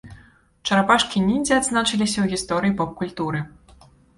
Чарапашкі-ніндзя адзначыліся ў гісторыі поп-культуры.